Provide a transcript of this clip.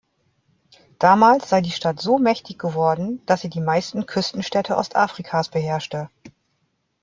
Damals sei die Stadt so mächtig geworden, dass sie die meisten Küstenstädte Ostafrikas beherrschte.